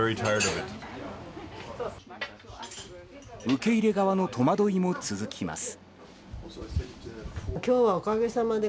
受け入れ側の戸惑いも続きます。